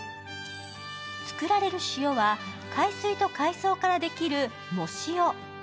作られる塩は海水と海藻からできる藻塩。